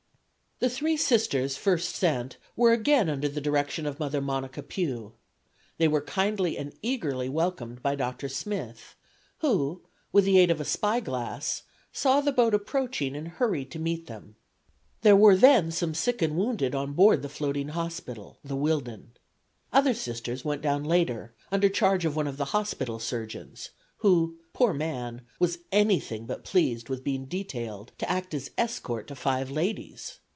The three Sisters first sent were again under the direction of Mother Monica Pue. They were kindly and eagerly welcomed by Dr. Smith, who, with the aid of a spy glass, saw the boat approaching and hurried to meet them. There were then some sick and wounded on board the floating hospital, the "Whillden." Other Sisters went down later under charge of one of the hospital surgeons, who, poor man, was anything but pleased with being detailed to act as escort to five ladies.